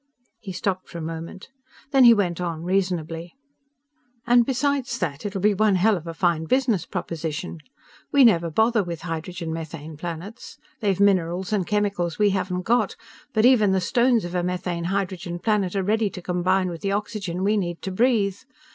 He stopped for a moment. Then he went on reasonably; "And besides that, it'll be one hell of a fine business proposition. We never bother with hydrogen methane planets. They've minerals and chemicals we haven't got, but even the stones of a methane hydrogen planet are ready to combine with the oxygen we need to breathe!